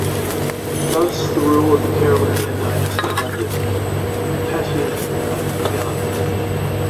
Thus the rule of the Carolingian dynasty ended and the Capetian era had begun.